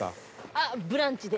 あっ『ブランチ』で。